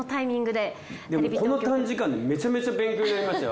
でもこの短時間でめちゃめちゃ勉強になりましたよ。